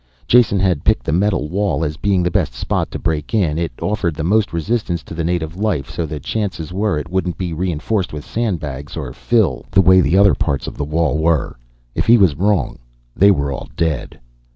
Jason had picked the metal wall as being the best spot to break in. It offered the most resistance to the native life, so the chances were it wouldn't be reinforced with sandbags or fill, the way other parts of the wall were. If he was wrong, they were all dead.